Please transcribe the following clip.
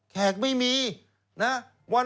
แขกไม่มีนะ